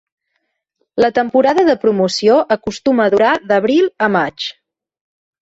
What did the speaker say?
La temporada de promoció acostuma a durar d'abril a maig.